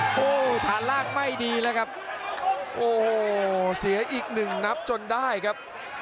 โอ้โหฐานล่างไม่ดีแล้วครับโอ้โหเสียอีกหนึ่งนับจนได้ครับ